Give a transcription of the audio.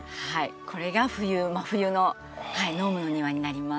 これが冬真冬のノームの庭になります。